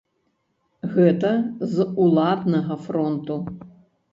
Гэта з уладнага фронту.